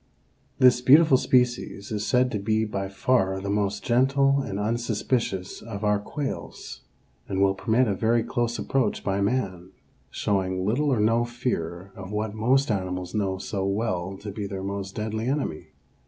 _) This beautiful species is said to be by far the most gentle and unsuspicious of our quails, and will permit a very close approach by man, showing little or no fear of what most animals know so well to be their most deadly enemy.